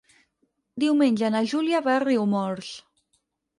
Diumenge na Júlia va a Riumors.